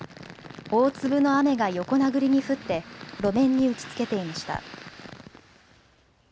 大粒の雨が横殴りに降って、路面に打ちつけていました。